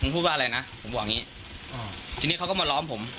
มึงพูดว่าอะไรนะผมบอกอย่างงี้อ่าทีเนี้ยเค้าก็มาล้อมผม